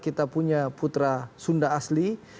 kita punya putra sunda asli